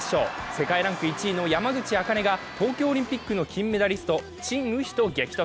世界ランク１位の山口茜が東京オリンピックの金メダリストチン・ウヒと激突。